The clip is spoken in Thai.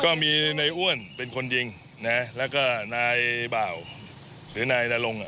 ก็มีนายอ้วนเป็นคนยิงนะแล้วก็นายบ่าวหรือนายนรงอ่ะ